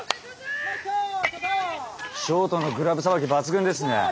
ショートのグラブさばき抜群ですね。